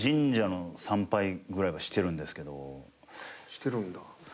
「してるんだ」。